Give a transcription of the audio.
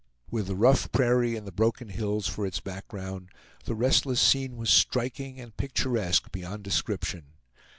With the rough prairie and the broken hills for its background, the restless scene was striking and picturesque beyond description.